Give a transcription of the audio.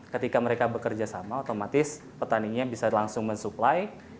ketika mereka bekerja sama otomatis petaninya bisa langsung mensuplai